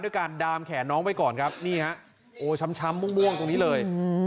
การดามแขนน้องไปก่อนครับนี่ฮะโอ้ช้ำม่วงตรงนี้เลย